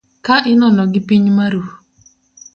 Ka inono gi piny maru.